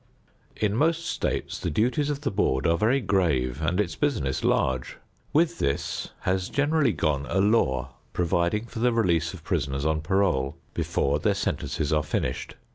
In most states the duties of the board are very grave and its business large. With this has generally gone a law providing for the release of prisoners on parole before their sentences are finished.